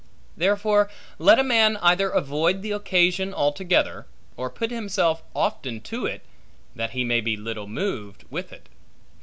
Therefore, let a man either avoid the occasion altogether; or put himself often to it, that he may be little moved with it.